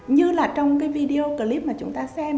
như là trong cái video clip mà chúng ta xem